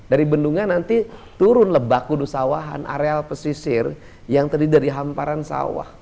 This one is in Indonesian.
dari bendungan nanti turun lebah kudusawahan areal pesisir yang terdiri dari hamparan sawah